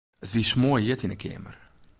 It wie smoarhjit yn 'e keamer.